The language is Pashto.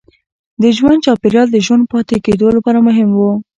د ژوند چاپېریال د ژوندي پاتې کېدو لپاره مهم و.